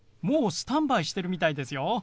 もうスタンバイしてるみたいですよ。